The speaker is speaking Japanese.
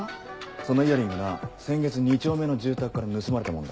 そのイヤリングな先月２丁目の住宅から盗まれたものだ。